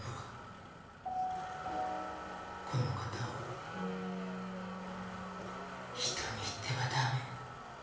このことを人に言ってはダメ。